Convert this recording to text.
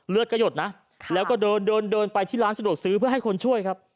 เลือดก็หยดนะแล้วก็เดินเดินไปที่ร้านสะดวกซื้อเพื่อให้คนช่วยครับ